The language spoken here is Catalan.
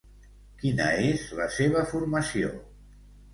Quina és la seva formació?